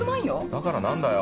だから何だよ？